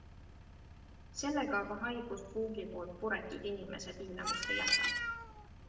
Sellega aga haigus puugi poolt puretud inimese piinamist ei jäta.